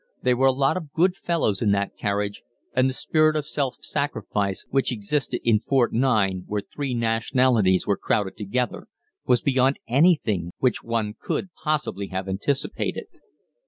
They were a good lot of fellows in that carriage, and the spirit of self sacrifice which existed in Fort 9, where three nationalities were crowded together, was beyond anything which one could possibly have anticipated.